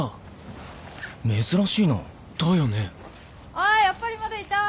あっやっぱりまだいた！